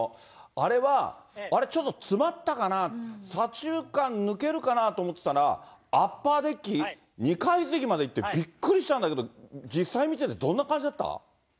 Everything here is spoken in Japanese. あれは、あれ、ちょっと詰まったかな、左中間抜けるかなと思ってたら、アッパーデッキ、２階席までいって、びっくりしたんだけど、実際見てて、どんな感じだった？